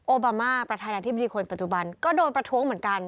โอบามาประธานาธิปุริคคนปัจจุบันก็โดนประทบเหมือนกัน